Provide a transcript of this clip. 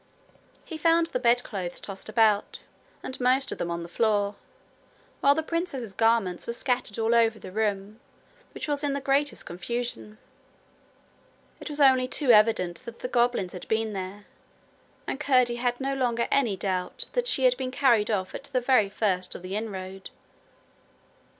He found the bedclothes tossed about, and most of them on the floor, while the princess's garments were scattered all over the room, which was in the greatest confusion. It was only too evident that the goblins had been there, and Curdie had no longer any doubt that she had been carried off at the very first of the inroad.